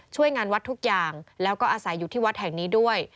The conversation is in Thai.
ช่วยงานวัดทุกอย่างแล้วก็อาศัยอยู่ที่วัดแห่งนี้ด้วย